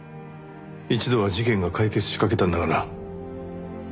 一度は事件が解決しかけたんだから。